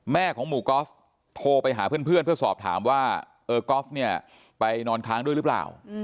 ของหมู่กอล์ฟโทรไปหาเพื่อนเพื่อสอบถามว่าเออกอล์ฟเนี่ยไปนอนค้างด้วยหรือเปล่า